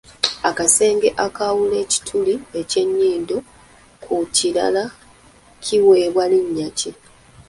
Akasenge akaawula ekituli ky'ennyindo ku kirala kiweebwa linnya ki?